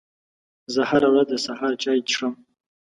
زه هره ورځ د سهار چای څښم